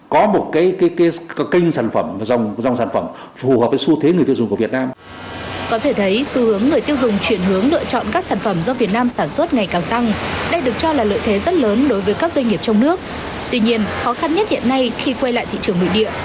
khó khăn nhất hiện nay khi quay lại thị trường nội địa